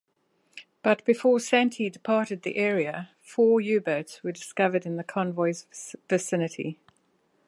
But before "Santee" departed the area, four U-boats were discovered in the convoy's vicinity.